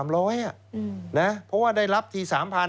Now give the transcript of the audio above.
๒๓ร้อยเพราะว่าได้รับที่๓๐๐๐เนี่ย